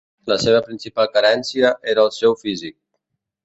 La seva principal carència era el seu físic.